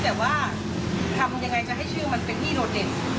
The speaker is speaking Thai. แต่ว่าทำยังไงจะให้ชื่อมันเป็นที่โดดเด่น